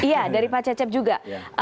iya dari pak cecep juga